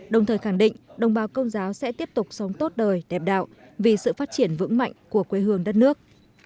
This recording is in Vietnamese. đồng thời khẳng định đồng bào công giáo sẽ tiếp tục sống tốt đời đẹp đạo vì sự phát triển vững mạnh của quê hương đất nước